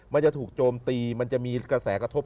มันจะถูกโจมตีมันจะมีกระแสกระทบ